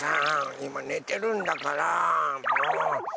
いまねてるんだからもう。